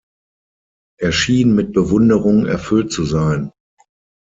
Er schien mit Bewunderung erfüllt zu sein.